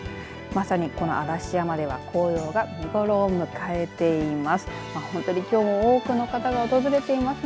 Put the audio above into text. まさに、この嵐山では紅葉が見頃を迎えています。